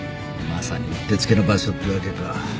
まさにうってつけの場所ってわけか。